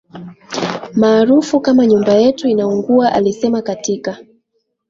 maarufu kama Nyumba yetu inaungua alisema katika